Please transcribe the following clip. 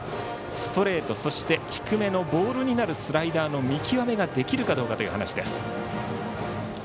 ストレート、そして低めのボールになるスライダーの見極めができるかどうかという話です。